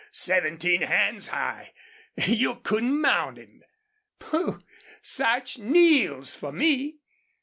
Seventeen hands high! You couldn't mount him." "Pooh! Sarch KNEELS for me."